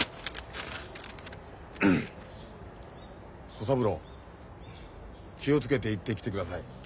「小三郎気を付けて行ってきてください。